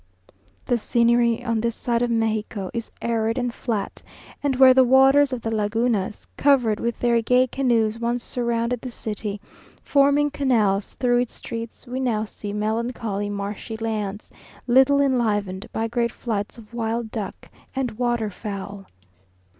The scenery on this side of Mexico is arid and flat, and where the waters of the Lagunas, covered with their gay canoes, once surrounded the city, forming canals through its streets, we now see melancholy marshy lands, little enlivened by great flights of wild duck and waterfowl.